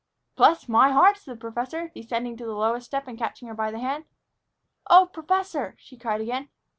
"Bless my heart!" said the professor, descending to the lowest step and catching her by the hand. "Oh, professor!" she cried again.